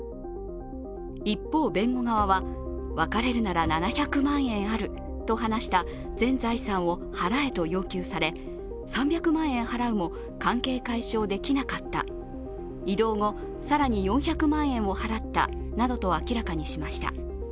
一方、弁護側は分かれるなら７００万円あると話した全財産を払えと要求され、３００万円払うも関係解消できなかった、異動後、更に４００万円を払ったなどと明らかにしました。